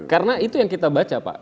karena itu yang kita baca pak